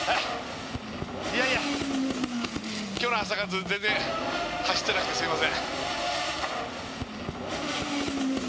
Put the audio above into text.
いやいや、今日の朝活、全然走ってなくてすみません。